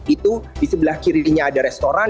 itu di sebelah kirinya ada restoran